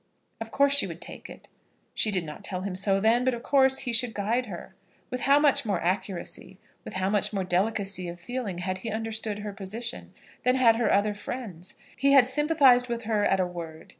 Of course she would take it. She did not tell him so then; but, of course, he should guide her. With how much more accuracy, with how much more delicacy of feeling had he understood her position, than had her other friends! He had sympathised with her at a word.